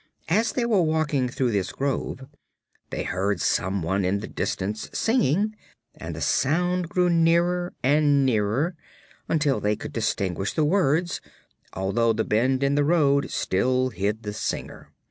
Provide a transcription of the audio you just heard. As they were walking through this grove they heard some one in the distance singing, and the sounds grew nearer and nearer until they could distinguish the words, although the bend in the road still hid the singer.